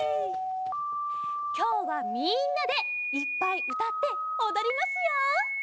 きょうはみんなでいっぱいうたっておどりますよ！